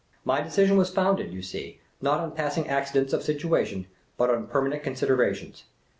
My de cision was founded, you see, not on passing accidents of situation, but on permanent considerations.